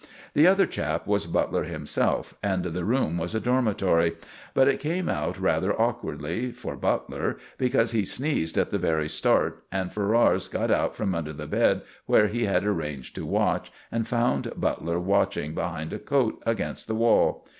The other chap was Butler himself, and the room was a dormitory. But it came out rather awkwardly for Butler, because he sneezed at the very start, and Ferrars got out from under the bed where he had arranged to watch, and found Butler watching behind a coat against the wall.